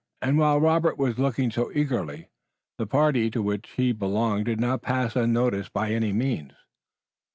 And while Robert was looking so eagerly, the party to which he belonged did not pass unnoticed by any means.